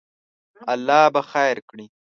الله به خیر کړی